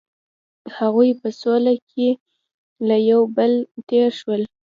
هغوی په سوله کې له یو بل تیر شول.